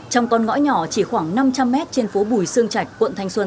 trong con ngõ nhỏ chỉ khoảng năm trăm linh mét trên phố bùi sương trạch quận thanh xuân